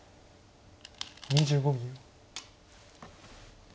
２５秒。